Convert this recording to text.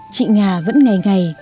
chị nga vẫn ngày ngày